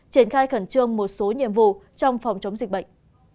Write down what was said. triển khai khẩn trương một số nhiệm vụ trong phòng chống dịch bệnh